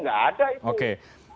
tidak ada itu